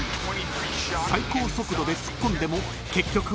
［最高速度で突っ込んでも結局は運任せ］